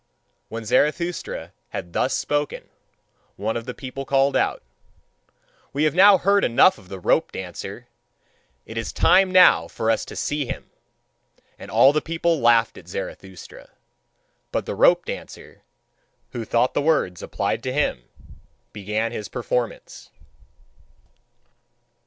When Zarathustra had thus spoken, one of the people called out: "We have now heard enough of the rope dancer; it is time now for us to see him!" And all the people laughed at Zarathustra. But the rope dancer, who thought the words applied to him, began his performance.